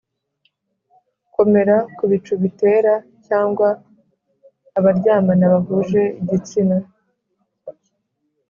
komera ku bicu bitera, cyangwa abaryamana bahuje igitsina